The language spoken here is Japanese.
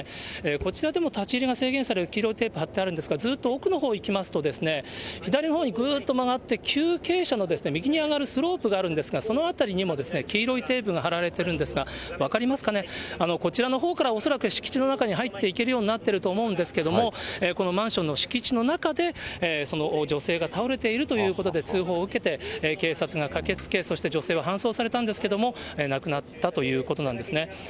こちらでも立ち入りが制限される黄色いテープ張ってあるんですが、ずーっと奥のほう行きますと、左のほうにぐーっと曲がって、急傾斜の右にあるスロープがあるんですが、その辺りにも黄色いテープが張られているんですが、分かりますかね、こちらのほうから恐らく敷地の中に入っていけるようになっていると思うんですけど、このマンションの敷地の中で、その女性が倒れているということで、通報を受けて、警察が駆けつけ、そして女性は搬送されたんですけれども、亡くなったということなんですね。